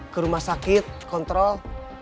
ke rumah sakit kontrol